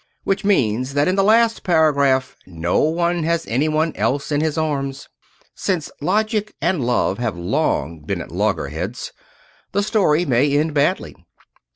Which means that in the last paragraph no one has any one else in his arms. Since logic and love have long been at loggerheads, the story may end badly.